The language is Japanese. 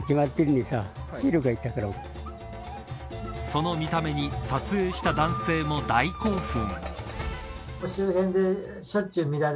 その見た目に撮影した男性も大興奮。